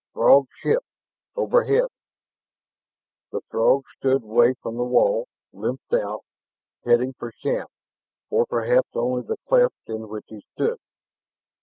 "Throg ship ... overhead." The Throg stood away from the wall, limped out, heading for Shann, or perhaps only the cleft in which he stood.